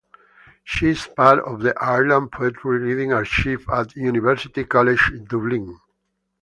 She is part of the Ireland Poetry Reading Archive at University College Dublin.